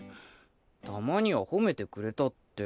たまには褒めてくれたって。